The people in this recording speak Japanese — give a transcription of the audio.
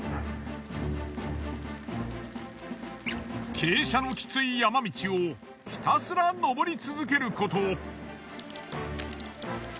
傾斜のきつい山道をひたすら登り続けること。